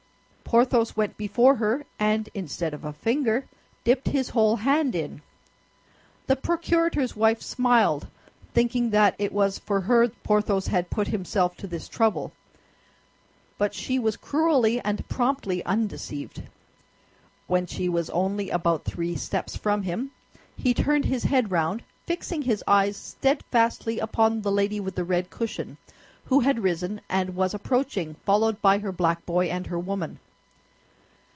Porthos went before her, and instead of a finger, dipped his whole hand in. The procurator's wife smiled, thinking that it was for her Porthos had put himself to this trouble; but she was cruelly and promptly undeceived. When she was only about three steps from him, he turned his head round, fixing his eyes steadfastly upon the lady with the red cushion, who had risen and was approaching, followed by her black boy and her woman.